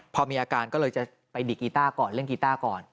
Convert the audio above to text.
พอมีอาการก็เลยจะไปดิกกีต้าก่อนเล่นกีต้าก่อน